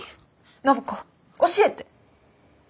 暢子教えて！